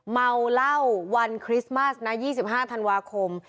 เมาเหล้าวันคริสต์มัสนะ๒๕ธันวาคม